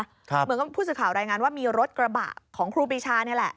เหมือนกับผู้สื่อข่าวรายงานว่ามีรถกระบะของครูปีชานี่แหละ